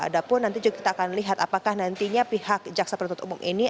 ada pun nanti juga kita akan lihat apakah nantinya pihak jaksa penuntut umum ini